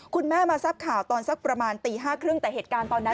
คุณแม่มาทราบข่าวตอนสักประมาณตี๕๓๐แต่เหตุการณ์ตอนนั้น